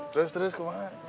terus terus kemana